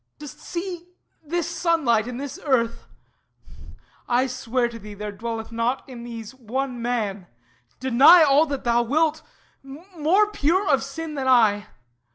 Dost see This sunlight and this earth? I swear to thee There dwelleth not in these one man deny All that thou wilt! more pure of sin than I.